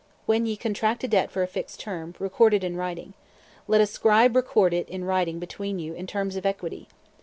When ye contract a debt for a fixed term, record it in writing. Let a scribe record it in writing between you in (terms of) equity.